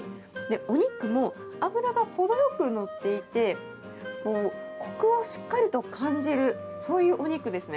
お肉も脂が程よく乗っていて、こくをしっかりと感じる、そういうお肉ですね。